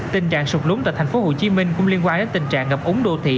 tình trạng sụp lúng tại tp hcm cũng liên quan đến tình trạng ngập úng đô thị